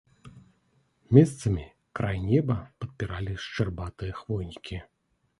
Месцамі край неба падпіралі шчарбатыя хвойнікі.